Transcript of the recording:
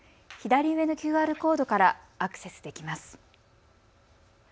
左上のＱＲコードからアクセスできます。